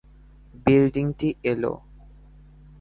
বিল্ডিংটি এল।